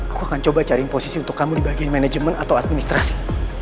aku akan coba cariin posisi untuk kamu di bagian manajemen atau administrasi